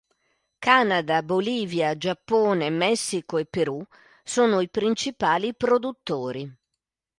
Canada, Bolivia, Giappone, Messico e Perù sono i principali produttori.